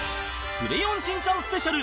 『クレヨンしんちゃん』スペシャル